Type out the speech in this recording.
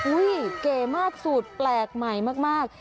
เก๋มากสูตรแปลกใหม่มาก